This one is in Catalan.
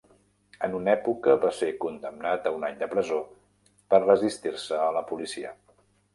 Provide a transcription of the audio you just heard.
En una època va ser condemnat a un any de presó per resistir-se a la policia.